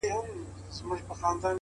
هره هڅه د ځان نږدې کول دي؛